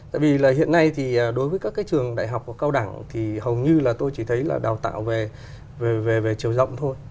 tại vì là hiện nay thì đối với các cái trường đại học cao đẳng thì hầu như là tôi chỉ thấy là đào tạo về chiều rộng thôi